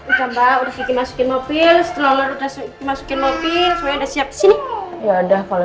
udah mbak udah dimasukin mobil setelah udah dimasukin mobil supaya udah siap sini ya udah kalau